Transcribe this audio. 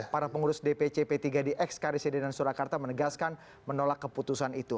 para pengurus dpc p tiga di x kdcd dan surakarta menegaskan menolak keputusan itu